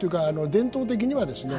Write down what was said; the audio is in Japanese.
伝統的にはですね